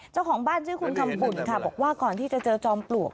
เจ้าของบ้านชื่อคุณคำปุ่นค่ะบอกว่าก่อนที่จะเจอจอมปลวก